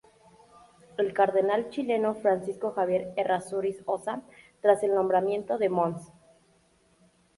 El cardenal chileno Francisco Javier Errázuriz Ossa, tras el nombramiento de Mons.